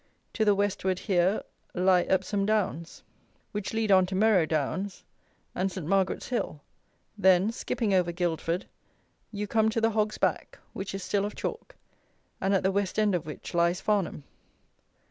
To the westward here lie Epsom Downs, which lead on to Merrow Downs and St. Margaret's Hill, then, skipping over Guildford, you come to the Hog's Back, which is still of chalk, and at the west end of which lies Farnham.